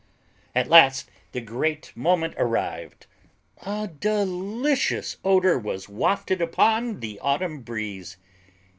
At last the great moment arrived. A delicious odor was wafted upon the autumn breeze.